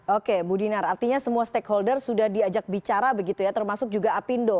oke budinar artinya semua stakeholder sudah diajak bicara begitu ya termasuk juga apnu